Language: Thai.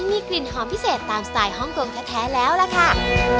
มีกลิ่นหอมพิเศษตามสไตล์ฮ่องกงแท้แล้วล่ะค่ะ